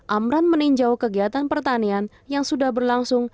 amran meninjau kegiatan pertanian yang sudah berlangsung